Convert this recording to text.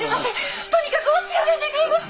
とにかくお調べ願います！